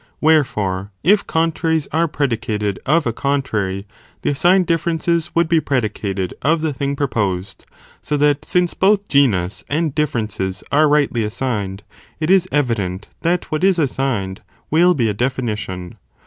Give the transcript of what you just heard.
Wherefore, if contraries are predicated of a contrary, the assigned (differences) would be predicated of the thing proposed, so that since both genus and differences are rightly assigned, it is evident that what is assigned, will be a defini tion.